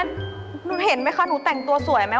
นุ้นเห็นไหมคะนุ้นแต่งตัวสวยไหม